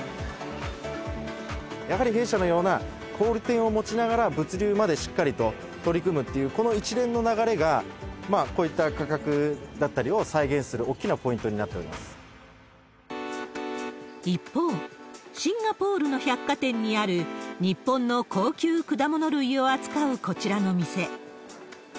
やはり弊社のような小売店を持ちながら物流までしっかりと取り組むっていう、この一連の流れがこういった価格だったりを再現する大きなポイン一方、シンガポールの百貨店にある、日本の高級果物類を扱うこちらの店。